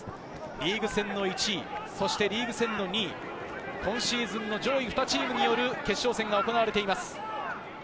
リーグ戦の１位、リーグ戦の２位、今シーズンの上位２チームによる決勝戦が行われています。